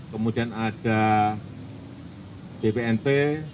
kemudian ada bpnp